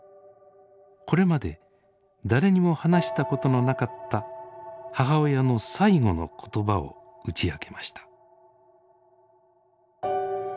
これまで誰にも話したことのなかった母親の最後の言葉を打ち明けました。